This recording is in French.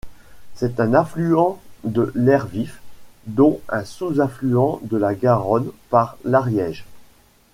C'est un affluent de l'Hers-Vif, donc un sous-affluent de la Garonne par l'Ariège.